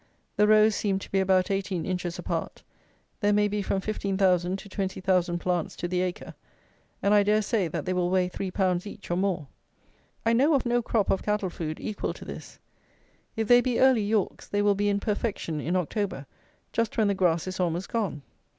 The rows seem to be about eighteen inches apart. There may be from 15,000 to 20,000 plants to the acre; and I dare say that they will weigh three pounds each, or more. I know of no crop of cattle food equal to this. If they be early Yorks, they will be in perfection in October, just when the grass is almost gone.